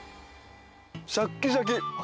シャキシャキ！